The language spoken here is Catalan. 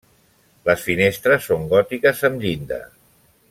Les finestres són gòtiques amb llinda.